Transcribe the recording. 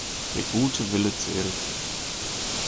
Der gute Wille zählt.